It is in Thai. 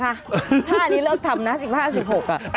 ถ้าอันนี้เลิกทำ๑๕๑๖อะ